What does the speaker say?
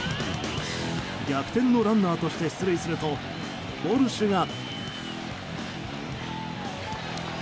逆転のランナーとして出塁するとウォルシュが。